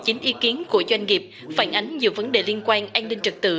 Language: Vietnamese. chính ý kiến của doanh nghiệp phản ánh nhiều vấn đề liên quan an ninh trật tự